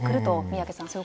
三宅さん。